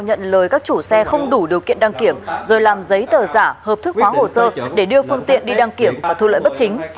nhận lời các chủ xe không đủ điều kiện đăng kiểm rồi làm giấy tờ giả hợp thức hóa hồ sơ để đưa phương tiện đi đăng kiểm và thu lợi bất chính